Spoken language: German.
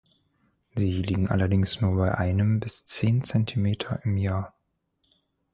Sie liegen allerdings nur bei einem bis zehn Zentimeter im Jahr.